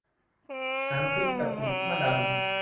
น้ำพริกกะปิมะดัน